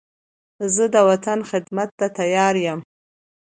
زه د وطن خدمت ته تیار یم.